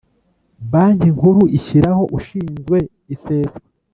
Banki Nkuru ishyiraho ushinzwe iseswa